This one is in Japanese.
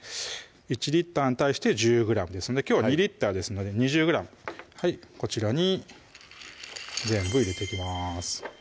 １に対して１０ｇですのできょうは２ですので２０ｇこちらに全部入れていきます